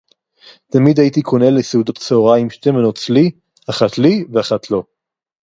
תמיד הייתי קונה לסעודת צהריים שתי מנות צלי, אחת לי ואחת לו.